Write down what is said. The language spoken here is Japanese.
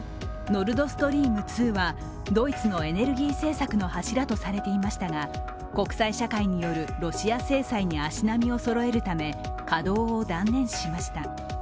ノルドストリーム２はドイツのエネルギー政策の柱とされていましたが国際社会によるロシア制裁に足並みをそろえるため稼働を断念しました。